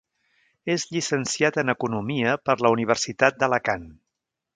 És llicenciat en economia per la Universitat d'Alacant.